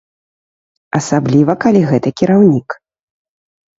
Асабліва калі гэта кіраўнік.